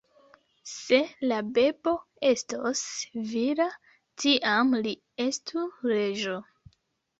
Se la bebo estos vira, tiam li estu reĝo.